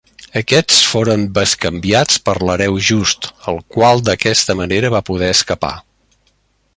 Aquests foren bescanviats per l'Hereu Just, el qual d'aquesta manera va poder escapar.